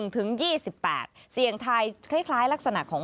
ใต้ฉามไปฟังสีเจ้าของร้านกันหน่อย